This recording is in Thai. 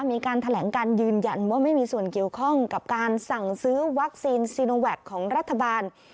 มีการแถลงการยืนยันว่าไม่มีส่วนเกี่ยวข้องกับการสั่งซื้อวัคซีนซีโนแวคของรัฐบาล